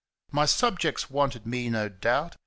My subjects wanted me, no doubt.